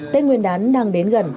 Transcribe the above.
tên nguyên đán đang đến gần